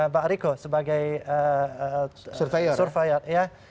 pak rico sebagai surveyor